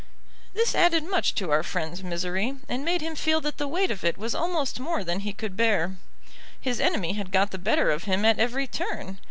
This added much to our friend's misery, and made him feel that the weight of it was almost more than he could bear. His enemy had got the better of him at every turn.